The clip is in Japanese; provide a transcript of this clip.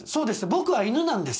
僕は犬なんです。